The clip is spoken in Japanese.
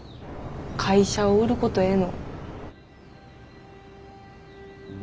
会社を売ることへの。